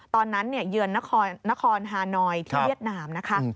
เยือนนครฮานอยที่เวียดนามนะคะ